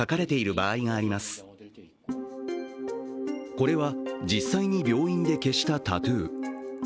これは実際に病院で消したタトゥー。